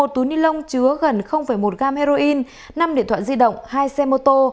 một túi nilon chứa gần một g heroin năm điện thoại di động hai xe mô tô